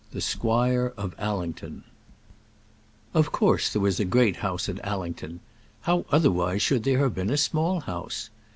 THE SQUIRE OF ALLINGTON. [ILLUSTRATION: (untitled)] Of course there was a Great House at Allington. How otherwise should there have been a Small House?